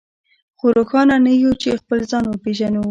خو روښانه نه يو چې خپل ځان وپېژنو.